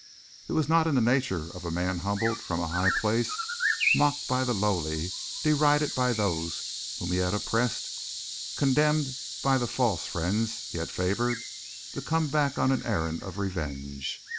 It was not in the nature of a man humbled from a high place, mocked by the lowly, derided by those whom he had oppressed, contemned by the false friends he had favored, to come back on an errand of revenge.